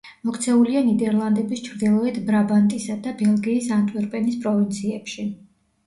მოქცეულია ნიდერლანდების ჩრდილოეთ ბრაბანტისა და ბელგიის ანტვერპენის პროვინციებში.